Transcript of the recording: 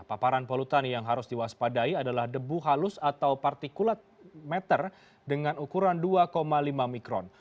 paparan polutan yang harus diwaspadai adalah debu halus atau partikulat meter dengan ukuran dua lima mikron